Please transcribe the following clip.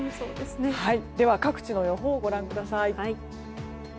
では、各地の予報をご覧ください。